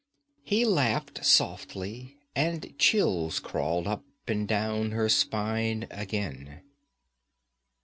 He laughed softly, and chills crawled up and down her spine again.